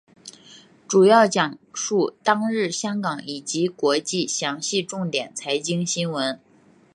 主要讲述当日香港以及国际详细重点财经新闻。